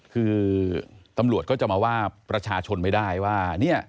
คือตำรวจก็จะมาว่าประชาชนไม่ได้ว่า